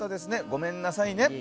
ごめんなさいね。